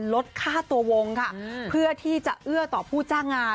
ลดค่าตัววงค่ะเพื่อที่จะเอื้อต่อผู้จ้างงาน